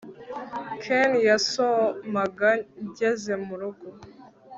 Ken yasomaga ngeze murugo